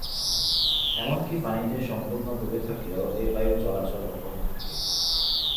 এমনকি পানিতে সম্পূর্ণ ডুবে থাকলেও এ বায়ু চলাচল অব্যাহত থাকে।